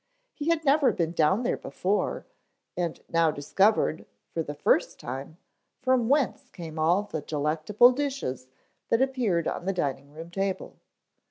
He had never been down there before and now discovered, for the first time, from whence came all the delectable dishes that appeared on the dining room table.